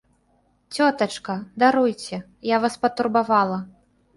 Цётачка, даруйце, я вас патурбавала.